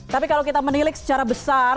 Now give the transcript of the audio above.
tapi kalau kita menilik secara besar